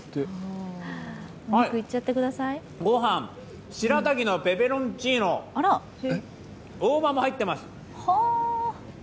ご飯、しらたきのペペロンチーノ、大葉も入ってます。